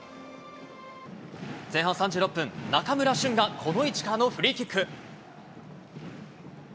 前半３６分、中村駿がこの位置からのフリーキック。